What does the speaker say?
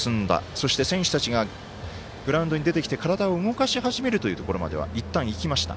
そして選手たちがグラウンドに出てきて体を動かし始めるというところまではいったん、いきました。